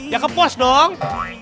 ya kepuas dong